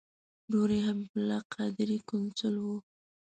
ورور یې حبیب الله قادري قونسل و.